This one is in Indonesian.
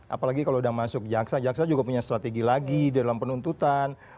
apalagi kalau sudah masuk jaksa jaksa juga punya strategi lagi dalam penuntutan